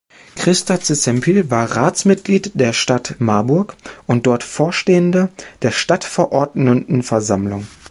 Christa Czempiel war Ratsmitglied der Stadt Marburg und dort Vorstehende der Stadtverordnetenversammlung.